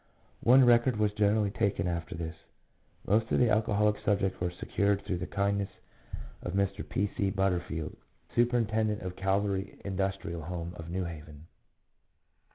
One record was generally taken after this. Most of the alcoholic subjects were secured through the kindness of Mr. P. C. Butterfield, Superintendent of Calvary Industrial Home, of New Haven.